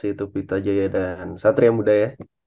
yaitu pita jaya dan satria muda ya